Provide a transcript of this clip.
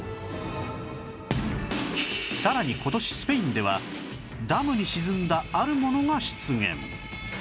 さらに今年スペインではダムに沈んだあるものが出現